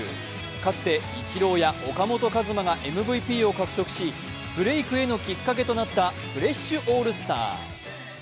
かつてイチローや岡本和真がＭＶＰを獲得し、ブレークへのきっかけとなったフレッシュオールスター。